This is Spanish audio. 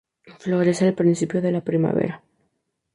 Florece al principio de la primavera.